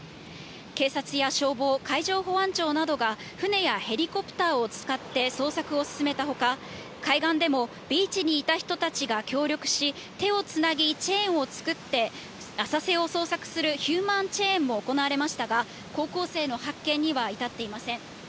警察や消防、海上保安庁などが、船やヘリコプターを使って捜索を進めたほか、海岸でもビーチにいた人たちが協力し、手をつなぎ、チェーンを作って浅瀬を捜索する、ヒューマンチェーンも行われましたが、高校生の発見には至っていません。